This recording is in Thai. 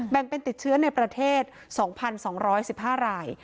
แบ่งเป็นติดเชื้อในประเทศ๒๒๑๕ราย